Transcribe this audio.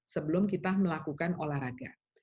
sebelum kita melakukan olahraga